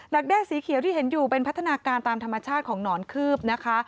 แด้สีเขียวที่เห็นอยู่เป็นพัฒนาการตามธรรมชาติของหนอนคืบนะคะ